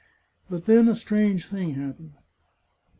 But then a strange thing happened.